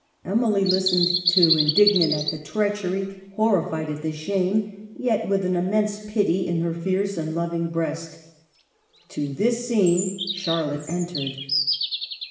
Emily listened, too, in dignant at the treachery, horrified at the shame ; yet with an immense pity in her fierce and lov ing breast. To this scene Charlotte entered.